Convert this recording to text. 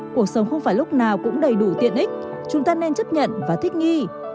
cuộc sống không phải lúc nào cũng đầy đủ tiện ích chúng ta nên chấp nhận và thích nghi